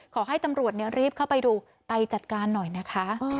ขอให้ตำรวจรีบเข้าไปดูไปจัดการหน่อยนะคะ